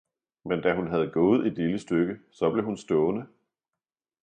men da hun havde gaaet et lille Stykke, saa blev hun staaende.